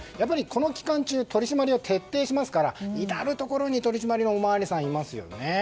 この期間中取り締まりを徹底しますから至るところに取り締まりのお巡りさんがいますよね。